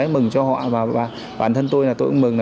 mừng cho họ và bản thân tôi là tôi cũng mừng là